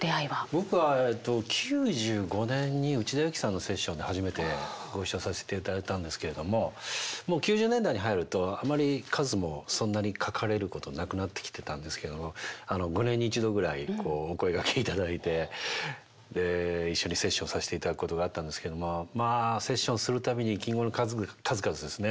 僕は９５年に内田有紀さんのセッションで初めてご一緒させていただいたんですけれどももう９０年代に入るとあまり数もそんなに書かれることなくなってきてたんですけど５年に１度ぐらいお声がけいただいて一緒にセッションさせていただくことがあったんですけどもまあセッションする度に金言の数々ですね